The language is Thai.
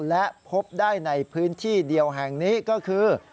และพบได้ในพื้นที่เดียวแห่งนี้ก็คือ